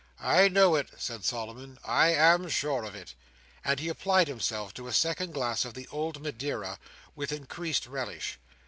"I know it," said Solomon. "I am sure of it," and he applied himself to a second glass of the old Madeira, with increased relish.